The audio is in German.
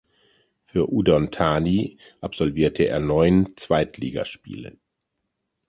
Für Udon Thani absolvierte er neun Zweitligaspiele.